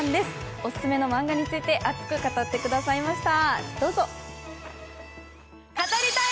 オススメのマンガについて熱く語ってくださいました。